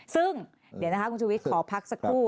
ซึ่งเดี๋ยวนะคะคุณชูวิทย์ขอพักสักครู่